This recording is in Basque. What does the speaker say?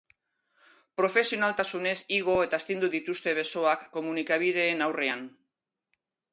Profesionaltasunez igo eta astindu dituzte besoak komunikabideen aurrean.